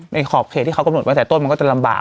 ขอบเขตที่เขากำหนดไว้แต่ต้นมันก็จะลำบาก